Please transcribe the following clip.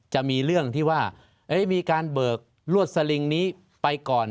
จะมีเรื่องที่ว่ามีการเบิกรวดสลิงนี้ไปก่อน